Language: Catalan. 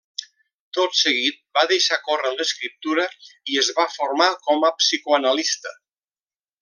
Tot seguit va deixar córrer l'escriptura i es va formar com a psicoanalista.